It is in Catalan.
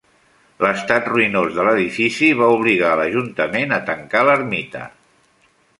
L'estat ruïnós de l'edifici va obligar a l'Ajuntament a tancar l'ermita.